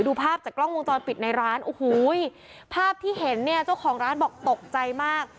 ดูภาพจากกล้องวงจรปิดในร้านภาพที่เห็นเจ้าของร้านบอกตกใจมาก